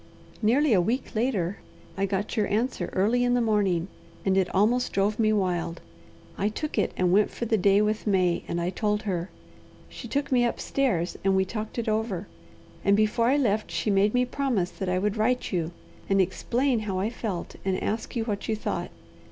"Nearly a week later I got your answer early in the morning, and it almost drove me wild. I took it and went for the day with May, and I told her. She took me upstairs, and we talked it over, and before I left she made me promise that I would write you and explain how I felt, and ask you what you thought.